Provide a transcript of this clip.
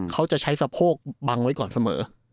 เขาจะใช้สะโพกบังไว้ก่อนเสมอ